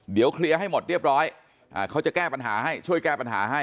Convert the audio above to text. เดี๋ยวเคลียร์ให้หมดเรียบร้อยเขาจะแก้ปัญหาให้ช่วยแก้ปัญหาให้